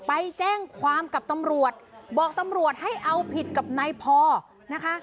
ไปแจ้งความกับตำรวจบอกตำรวจให้เอาผิดกับนายพอนะคะ